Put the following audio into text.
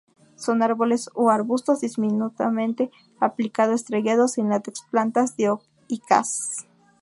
Son árboles o arbustos, diminutamente aplicado-estrellados, sin látex; plantas dioicas.